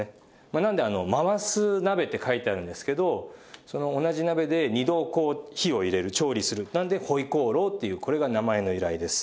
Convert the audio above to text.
なので「回す鍋」って書いてあるんですけどその同じ鍋で二度こう火を入れる調理するなので「回鍋肉」というこれが名前の由来です。